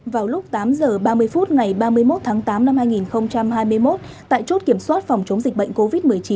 vào lúc tám h ba mươi phút ngày ba mươi một tháng tám năm hai nghìn hai mươi một tại chốt kiểm soát phòng chống dịch bệnh covid một mươi chín